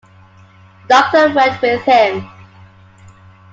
The doctor went with him.